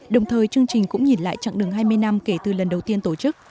đồng thời chương trình cũng nhìn lại chặng đường hai mươi năm kể từ lần đầu tiên tổ chức